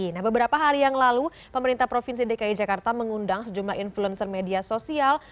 nah beberapa hari yang lalu pemerintah provinsi dki jakarta mengundang sejumlah influencer media sosial